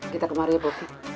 kita kemarin ya pogi